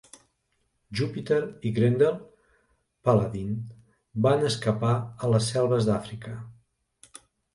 Jupiter i Grendel paladin van escapar a les selves d'Àfrica.